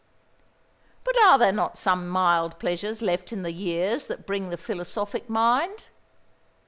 "But are there not some mild pleasures left in the years that bring the philosophic mind?"